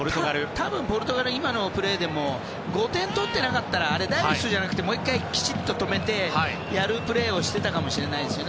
多分、ポルトガル今のプレーで５点取ってなかったらダイレクトじゃなくてもう１回きちんと止めるというプレーをしていたかもですね。